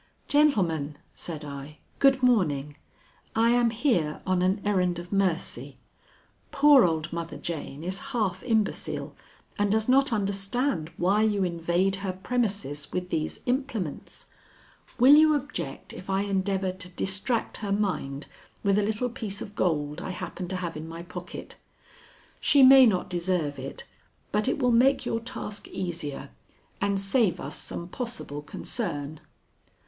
"Gentlemen," said I, "good morning. I am here on an errand of mercy. Poor old Mother Jane is half imbecile and does not understand why you invade her premises with these implements. Will you object if I endeavor to distract her mind with a little piece of gold I happen to have in my pocket? She may not deserve it, but it will make your task easier and save us some possible concern."